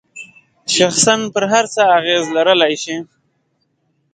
شخصاً پر هر څه اغیز لرلای شي.